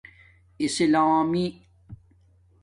اسلامی